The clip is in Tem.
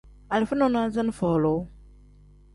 Alifa nonaza ni folu.